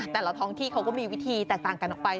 แต่ละท้องที่เขาก็มีวิธีแตกต่างกันออกไป